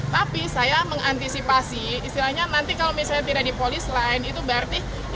tapi saya mengantisipasi istilahnya nanti kalau misalnya tidak di polis line itu berarti